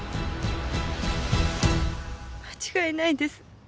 間違いないです